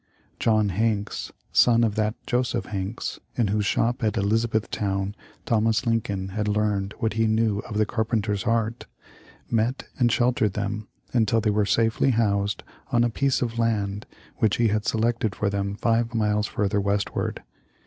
John Hanks, son of that Joseph Hanks in whose shop at Elizabethtown Thomas Lincoln had learned what he knew of the carpenter's art, met and sheltered them until they were safely housed on a piece of land which he had selected for them five miles further westward.